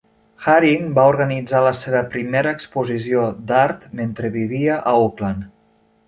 Haring va organitzar la seva primera exposició d"art mentre vivia a Oakland.